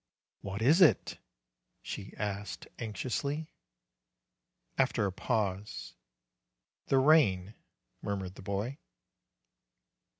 "What is it?" she asked anxiously, after a pause. 'The rain," murmured the boy.